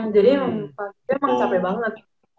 jadi emang capek banget